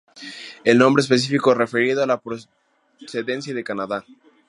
El nombre específico referido a la procedencia de Canadá.